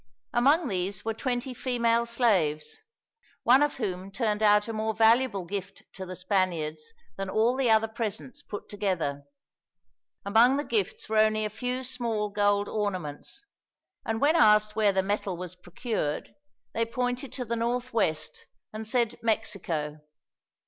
Among these were twenty female slaves one of whom turned out a more valuable gift to the Spaniards than all the other presents, put together. Among the gifts were only a few small gold ornaments, and when asked where the metal was procured, they pointed to the northwest and said Mexico.